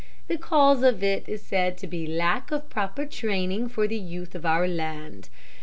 The cause of it is said to be lack of proper training for the youth of our land.